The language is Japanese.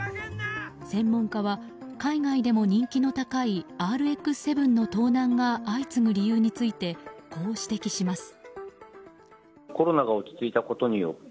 専門家は、海外でも人気の高い「ＲＸ‐７」の盗難が相次ぐ理由についてこう指摘します。